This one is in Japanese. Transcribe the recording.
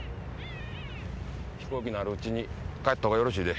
飛行機のあるうちに帰った方がよろしいで。